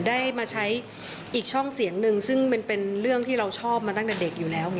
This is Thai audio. ได้มาใช้อีกช่องเสียงหนึ่งซึ่งมันเป็นเรื่องที่เราชอบมาตั้งแต่เด็กอยู่แล้ว